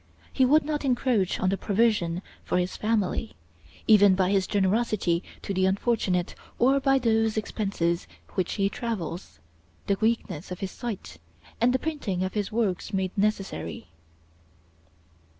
He would not encroach on the provision for his family, even by his generosity to the unfortunate, or by those expenses which his travels, the weakness of his sight, and the printing of his works made necessary.